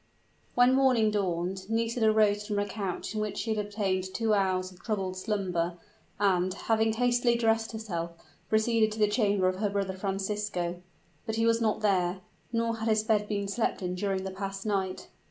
When morning dawned, Nisida rose from a couch in which she had obtained two hours of troubled slumber, and, having hastily dressed herself, proceeded to the chamber of her brother Francisco. But he was not there nor had his bed been slept in during the past night.